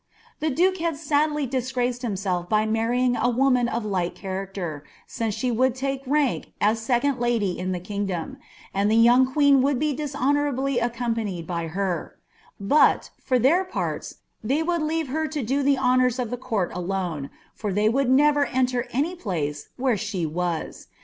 ' The duke had saiUy disgmce<( hinuwlf b; marrying a woman of light character, since she would take rank m second lady in the kingdom, and the young qu^en would be dbhonntv ably accompanied by her; but, for their parts, they would leave her to do the honours of the court alone, for they would never enter any pUci where she was.